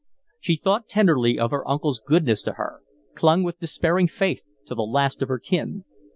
She thought tenderly of her uncle's goodness to her, clung with despairing faith to the last of her kin.